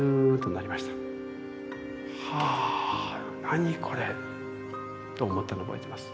はあ何これ？と思ったのを覚えてます。